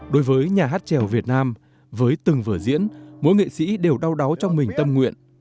đối với nhà hát trèo việt nam với từng vở diễn mỗi nghệ sĩ đều đau đáu trong mình tâm nguyện